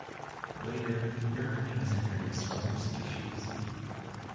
Later, Europeans introduced other species.